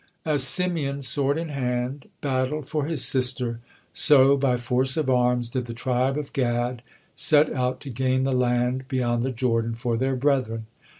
As Simeon, sword in hand, battled for his sister, so, by force of arms, did the tribe of Gad set out to gain the land beyond the Jordan for their brethren.